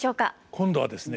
今度はですね